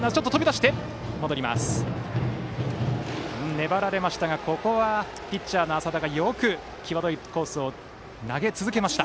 粘られましたがピッチャーの淺田がよく際どいコースを投げ続けました。